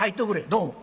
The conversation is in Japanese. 「どうも。